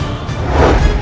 aku akan menang